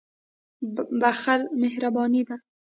• بخښل مهرباني ده.